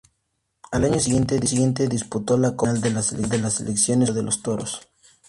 Al año siguiente disputó la Copa Nacional de Selecciones con Paso de los Toros.